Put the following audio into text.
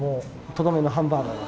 とどめのハンバーガー。